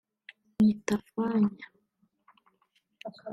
‘Nitafanya’